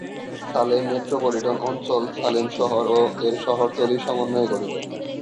Salem metropolitan অঞ্চল সালেম শহর ও এর শহরতলির সমন্বয়ে গঠিত।